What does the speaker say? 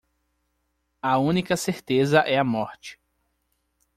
A única certeza é a morte.